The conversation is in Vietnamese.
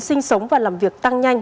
sinh sống và làm việc tăng nhanh